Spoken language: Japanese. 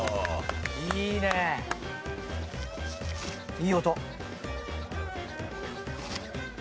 いい音。